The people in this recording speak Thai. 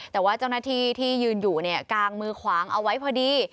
แต่ว่าเจ้าหน้าที่ที่ยืนอยู่เนี่ยกางมือขวางเอาไว้พอดี